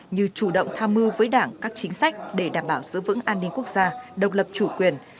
như chủ động tham mưu với đảng các chính sách để đảm bảo giữ vững an ninh quốc gia độc lập chủ quyền